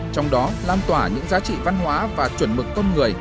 trong đó lam tỏa những giá trị văn hóa và chuẩn mực công người